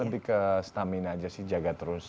nanti ke stamina aja sih jaga terus